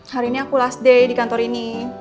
hari ini aku last day di kantor ini